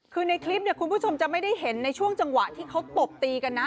คือในคลิปเนี่ยคุณผู้ชมจะไม่ได้เห็นในช่วงจังหวะที่เขาตบตีกันนะ